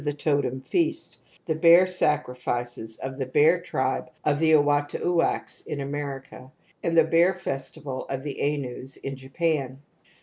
the totem feast, the bear sacrifices of the bear tribe of the Oiuitaxmdks in America, and the bear fes tival of the Ainus in Japan.